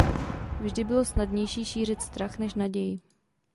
Vždy bylo snadnější šířit strach než naději.